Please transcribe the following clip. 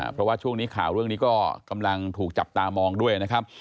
เพราะว่าช่วงนี้ข่าวเรื่องนี้ก็กำลังถูกจับตามองด้วยนะครับ